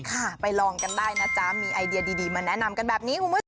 ค่ะไปลองกันได้นะจ๊ะมีไอเดียดีมาแนะนำกันแบบนี้